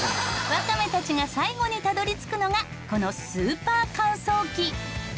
わかめたちが最後にたどり着くのがこのスーパー乾燥機。